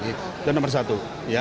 itu nomor satu